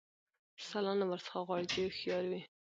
سلا نه ورڅخه غواړي چي هوښیار وي